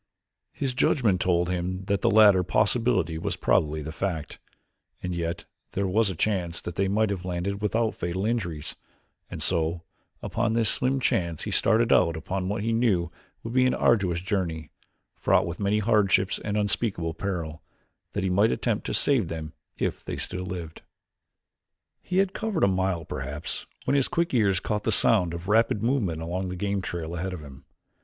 His judgment told him that the latter possibility was probably the fact, and yet there was a chance that they might have landed without fatal injuries, and so upon this slim chance he started out upon what he knew would be an arduous journey, fraught with many hardships and unspeakable peril, that he might attempt to save them if they still lived. He had covered a mile perhaps when his quick ears caught the sound of rapid movement along the game trail ahead of him.